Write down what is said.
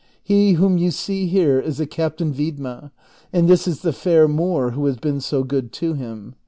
He whom you see here is the Captain Viednia, and this is the fair Moor who has been so good to him.